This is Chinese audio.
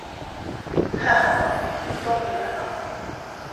太好了，你终于来了。